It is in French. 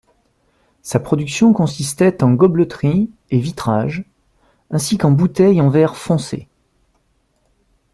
Sa production consistait en gobeleterie et vitrage, ainsi qu'en bouteilles en verre foncé.